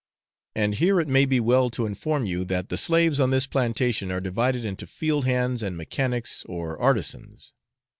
And here it may be well to inform you that the slaves on this plantation are divided into field hands and mechanics or artisans.